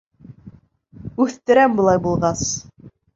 Үҫтерәм былай булғас!